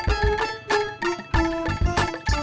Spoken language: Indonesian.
siapa yang marah